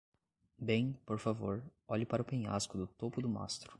Bem, por favor, olhe para o penhasco do topo do mastro!